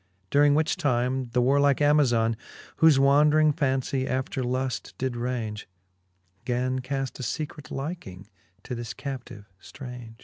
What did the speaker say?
During which time, the warlike Amazon, Whofe wandring fancie after luft did raunge, Gan caft a fecret hking to this captive ftraunge.